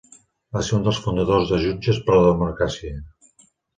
Va ser un dels fundadors de Jutges per la Democràcia.